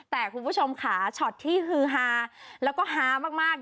แต่คุณผู้ชมค่ะช็อตที่ฮือฮาแล้วก็ฮามาก